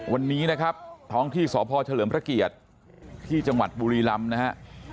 วันนี้นะครับท้องที่สพเฉลิมพระเกียรติที่จังหวัดบุรีลำนะฮะ